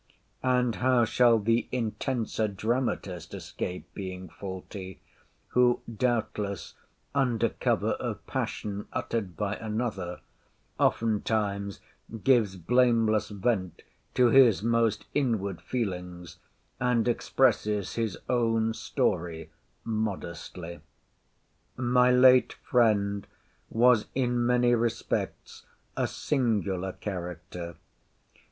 And how shall the intenser dramatist escape being faulty, who doubtless, under cover of passion uttered by another, oftentimes gives blameless vent to his most inward feelings, and expresses his own story modestly? My late friend was in many respects a singular character.